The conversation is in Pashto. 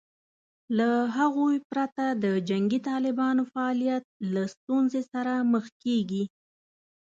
له هغوی پرته د جنګي طالبانو فعالیت له ستونزې سره مخ کېږي